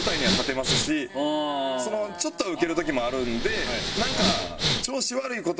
ちょっとはウケる時もあるんでなんか。